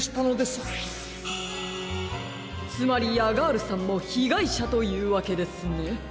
つまりヤガールさんもひがいしゃというわけですね。